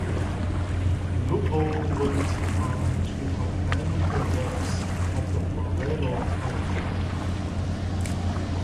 Lupo went on to become underboss of the Morello crime family.